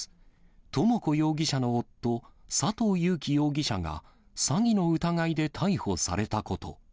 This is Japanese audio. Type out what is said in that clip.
智子容疑者の夫、佐藤友紀容疑者が詐欺の疑いで逮捕されたこと。